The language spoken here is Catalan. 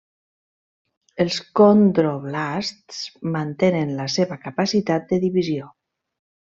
Els condroblasts mantenen la seva capacitat de divisió.